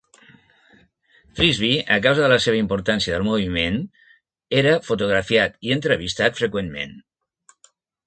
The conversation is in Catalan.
Frisbee, a causa de la seva importància del moviment, era fotografiat i entrevistat freqüentment.